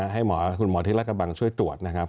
ให้หมอคุณหมอที่รัฐกระบังช่วยตรวจนะครับ